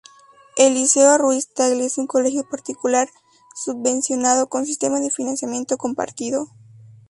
El Liceo Ruiz Tagle es un Colegio particular subvencionado, con sistema de Financiamiento Compartido.